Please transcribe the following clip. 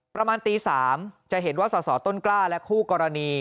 ประมาณตี๓จะเห็นว่าสสต้นกล้าและคู่กรณี